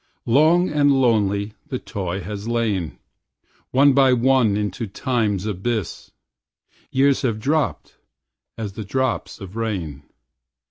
Long and lonely the toy has lain. One by one into time's abyss Years have dropped as the drops of rain.